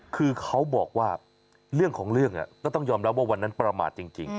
คือเขาบอกว่าเรื่องของเรื่องก็ต้องยอมรับว่าวันนั้นประมาทจริง